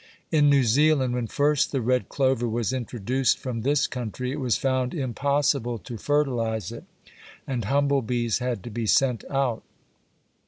In New Zealand, when first the red clover was introduced from this country, it was found impossible to fertilize it, and humble bees had to be sent out.